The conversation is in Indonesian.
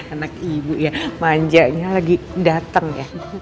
anak ibu ya manjanya lagi datang ya